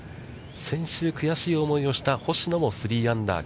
先週、悔しい思いをした星野も３アンダー。